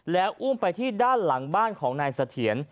แล้วอุ้มไปที่ด้านหลังบ้านของนายเสถียร